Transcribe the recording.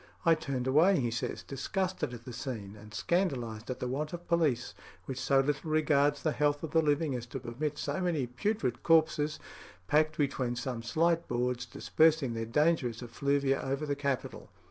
"I turned away," he says, "disgusted at the scene, and scandalised at the want of police which so little regards the health of the living as to permit so many putrid corpses, packed between some slight boards, dispersing their dangerous effluvia over the capital."